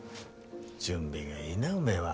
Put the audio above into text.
準備がいいなおめえは。